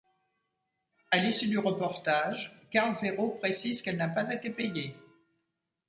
A l'issue du reportage, Karl Zéro précise qu'elle n'a pas été payée.